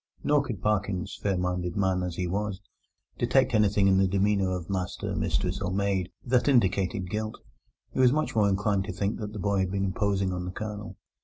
Nor could Parkins, fair minded man as he was, detect anything in the demeanour of master, mistress, or maid that indicated guilt. He was much more inclined to think that the boy had been imposing on the Colonel.